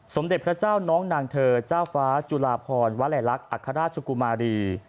สมเด็จพระเจ้าน้องนางเธอเจ้าฟ้าจุลาพรวลัยลักษณ์อัครราชกุมารี